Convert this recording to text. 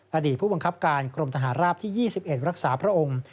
อดีตผู้บังคับการกรมทหารราบที่๒๑รักษาพระองค์